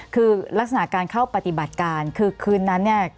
คือลักษณะการเข้าปฏิบัติการคือคืนนั้นเนี่ย